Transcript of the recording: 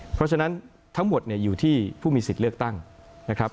เพราะฉะนั้นทั้งหมดเนี่ยอยู่ที่ผู้มีสิทธิ์เลือกตั้งนะครับ